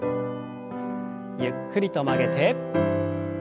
ゆっくりと曲げて。